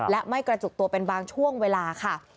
และไม่กระจุกตัวเป็นบางช่วงเวลาค่ะ